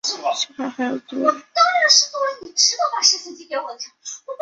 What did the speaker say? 幸好还有座位